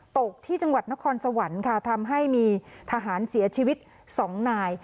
ตกที่จังหวัดนครสวรรค์ค่ะทำให้มีทหารเสียชีวิต๒นาย